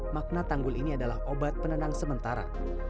makna tanggul ini adalah obat penenang sementara